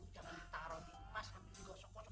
jangan taro di emas habis gosok gosok